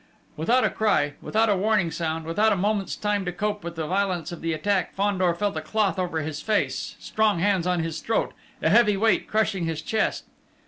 Without a cry, without a warning sound, without a moment's time to cope with the violence of the attack, Fandor felt a cloth over his face, strong hands on his throat, a heavy weight crushing his chest.